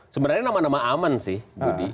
sebenarnya nama nama aman sih budi